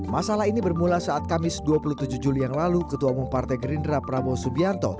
masalah ini bermula saat kamis dua puluh tujuh juli yang lalu ketua umum partai gerindra prabowo subianto